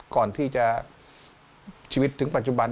ก่อนที่จะชีวิตถึงปัจจุบัน